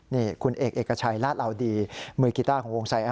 นี่คุณเอกเอกชัยลาดเหลาดีมือกีต้าของวงไซแอร์